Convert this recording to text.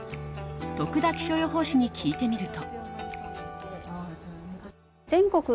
徳田気象予報士に聞いてみると。